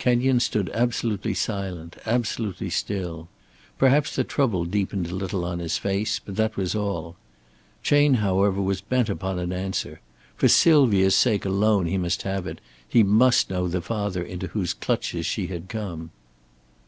Kenyon stood absolutely silent, absolutely still. Perhaps the trouble deepened a little on his face; but that was all. Chayne, however, was bent upon an answer. For Sylvia's sake alone he must have it, he must know the father into whose clutches she had come.